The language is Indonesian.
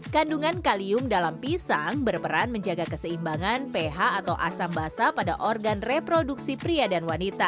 kandungan kalium dalam pisang berperan menjaga keseimbangan ph atau asam basah pada organ reproduksi pria dan wanita